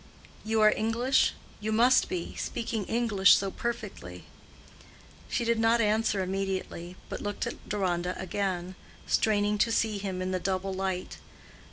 "You are English? You must be—speaking English so perfectly." She did not answer immediately, but looked at Deronda again, straining to see him in the double light.